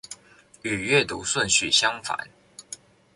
與閱讀順序相反